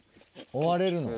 終われるの？